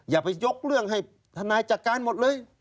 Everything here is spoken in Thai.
อย่าไปยกเรื่องให้ทนายจัดการหมดเลย